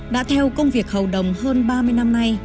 đã theo công việc hầu đồng hơn ba mươi năm nay